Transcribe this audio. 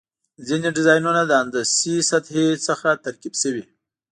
ځینې ډیزاینونه د هندسي سطحې څخه ترکیب شوي.